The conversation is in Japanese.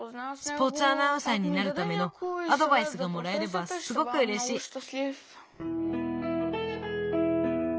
スポーツアナウンサーになるためのアドバイスがもらえればすごくうれしい。